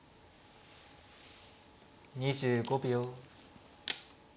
２５秒。